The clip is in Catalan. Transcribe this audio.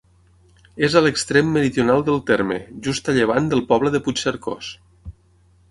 És a l'extrem meridional del terme, just a llevant del poble de Puigcercós.